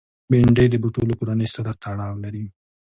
بېنډۍ د بوټو له کورنۍ سره تړاو لري